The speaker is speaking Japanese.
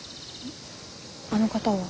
あの方は？